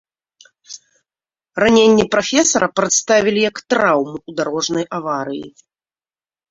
Раненне прафесара прадставілі як траўму ў дарожнай аварыі.